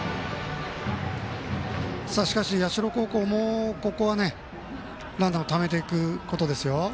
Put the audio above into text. しかし社高校もここはランナーをためていくことですよ。